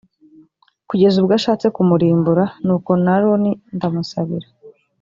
kugeza ubwo ashatse kumurimbura; nuko n’aroni ndamusabira.